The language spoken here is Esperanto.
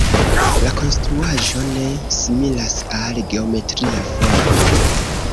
La konstruaĵo ne similas al geometria formo.